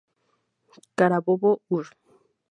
Carabobo, Urb.